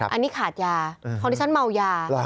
อันนี้ขาดยาของดิฉันเมายา